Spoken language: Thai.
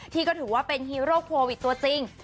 ที่ก็ถือว่าเป็นฮีโร่โควิดตัวจริง